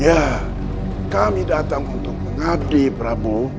ya kami datang untuk mengabdi prabowo